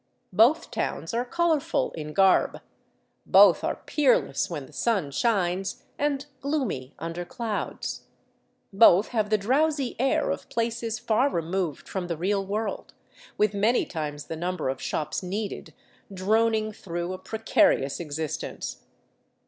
Both towns are colorful in garb; both are peerless when the sun shines, and gloomy under clouds ; both have the drowsy air of places far removed from the real world, with many times the number of shops needed droning through a precarious existence.